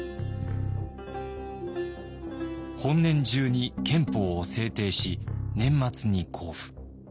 「本年中に憲法を制定し年末に公布。